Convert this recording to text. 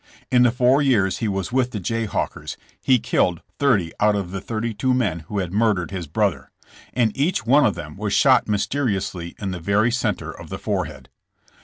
In the four years he was with the Jayhawkers, he killed thirty out of the thirty two men who had' murdered his brother, and each one of them was shot mysteriously in the very center of the forehead.